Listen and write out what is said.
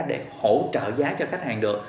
để hỗ trợ giá cho khách hàng được